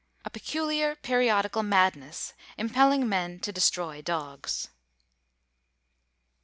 "A peculiar periodical madness, impelling men to destroy dogs."